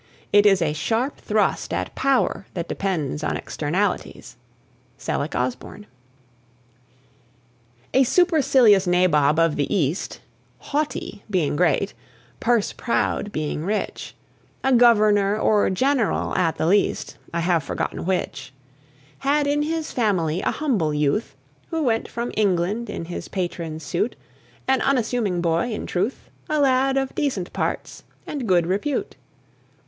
It is a sharp thrust at power that depends on externalities. Selleck Osborne. (.) A supercilious nabob of the East Haughty, being great purse proud, being rich A governor, or general, at the least, I have forgotten which Had in his family a humble youth, Who went from England in his patron's suit, An unassuming boy, in truth A lad of decent parts, and good repute.